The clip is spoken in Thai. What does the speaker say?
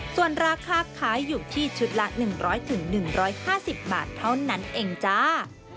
ส่วนราคาขายอยู่ที่ชุดละ๑๐๐๑๕๐บาทเท่านั้นเองจ้า